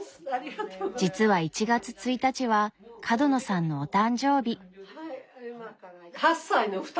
実は１月１日は角野さんのお誕生日。